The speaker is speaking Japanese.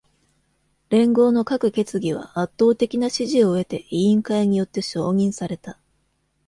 連合の各決議は、圧倒的な支持を得て委員会によって承認された。